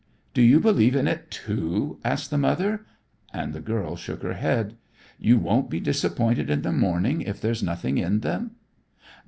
"Do you believe in it, too?" asked the mother, and the girl shook her head. "You won't be disappointed in the morning if there's nothing in 'em?"